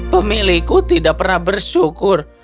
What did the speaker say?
pemilikku tidak pernah bersyukur